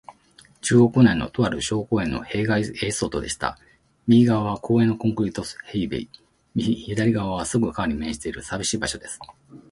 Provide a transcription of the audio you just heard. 中央区内の、とある小公園の塀外へいそとでした。右がわは公園のコンクリート塀べい、左がわはすぐ川に面している、さびしい場所です。